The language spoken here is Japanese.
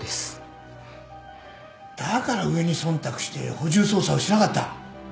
だから上に忖度して補充捜査をしなかった。